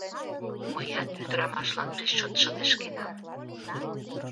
Мыят ӱдырамашлан пеш чот шыдешкенам...